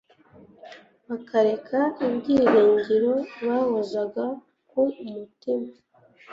bakareka ibyiringiro bahozaga ku mutima.